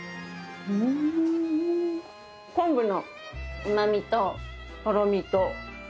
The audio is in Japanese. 昆布の旨みととろみと。